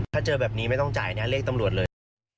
ถ้าเจอแบบนี้ไม่ต้องจ่ายนะเรียกตำรวจเลย